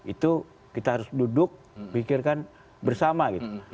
itu kita harus duduk pikirkan bersama gitu